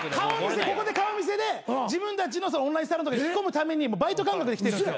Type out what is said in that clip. ここで顔見せで自分たちのオンラインサロンとか引き込むためにバイト感覚で来てる。